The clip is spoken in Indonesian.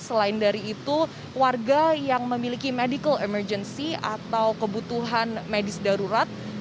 selain dari itu warga yang memiliki medical emergency atau kebutuhan medis darurat